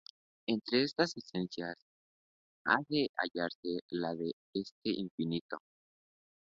Entre estas esencias ha de hallarse la del ente infinito.